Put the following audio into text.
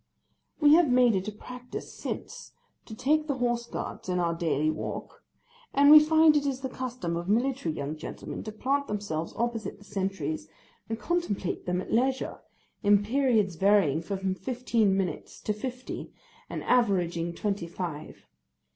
We have made it a practice since, to take the Horse Guards in our daily walk, and we find it is the custom of military young gentlemen to plant themselves opposite the sentries, and contemplate them at leisure, in periods varying from fifteen minutes to fifty, and averaging twenty five.